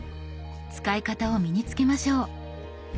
使い方を身に付けましょう。